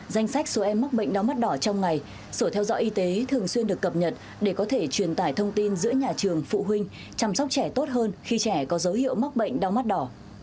danh sách số em mắc bệnh đau mắt đỏ trong ngày sở theo dõi y tế thường xuyên được cập nhật để có thể truyền tải thông tin giữa nhà trường phụ huynh chăm sóc trẻ tốt hơn khi trẻ có dấu hiệu mắc bệnh đau mắt đỏ